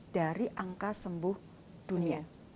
dari angka sembuh dunia